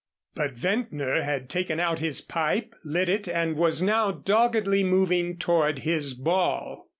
But Ventnor had taken out his pipe, lit it and was now doggedly moving toward his ball.